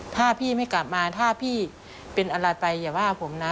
ถ้าพี่ไม่กลับมาถ้าพี่เป็นอะไรไปอย่าว่าผมนะ